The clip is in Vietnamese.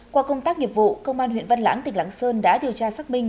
qua công tác nghiệp vụ công an huyện văn lãng tỉnh lãng sơn đã điều tra xác minh